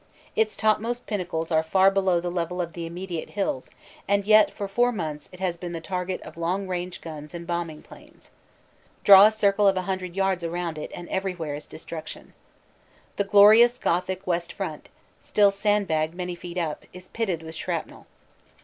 Its topmost pinnacles are far below the level of the immediate hills and yet for four months it has been the target of long range guns and bombing planes. Draw a circle of a hundred yards around it and everywhere is destruction. The FRENCH SCENES 103 glorious Gothic west front, still sandbagged many feet up, is pitted with shrapnel.